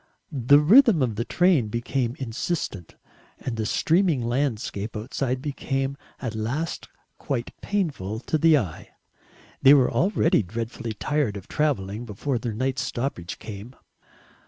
The rhythm of the train became insistent, and the streaming landscape outside became at last quite painful to the eye. They were already dreadfully tired of travelling before their night's stoppage came.